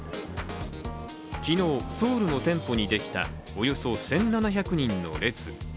昨日、ソウルの店舗にできたおよそ１７００人の列。